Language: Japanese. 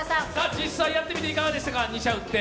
実際やってみていかがでしたか２射撃って。